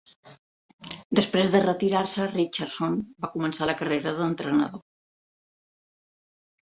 Després de retirar-se, Richardson va començar la carrera d'entrenador.